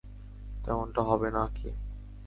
তেমনটা হবে না-কি?